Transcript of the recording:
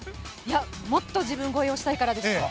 もっと自分超えをしたいからでしょう。